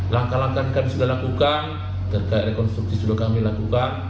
langkah langkah yang kami sudah lakukan terkait rekonstruksi sudah kami lakukan